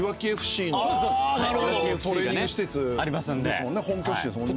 トレーニング施設本拠地ですもんね。